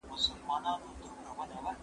زه کولای سم کتابتون ته راشم!!